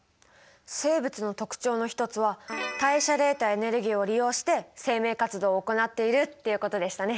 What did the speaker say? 生物の特徴の一つは代謝で得たエネルギーを利用して生命活動を行っているっていうことでしたね。